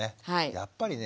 やっぱりね